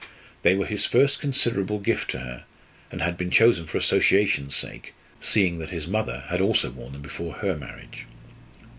They were his first considerable gift to her, and had been chosen for association's sake, seeing that his mother had also worn them before her marriage.